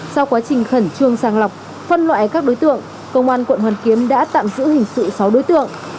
sau quá trình khẩn trương sàng lọc phân loại các đối tượng công an quận hoàn kiếm đã tạm giữ hình sự sáu đối tượng